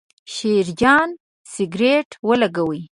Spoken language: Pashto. شیرجان سګرېټ ولګاوې.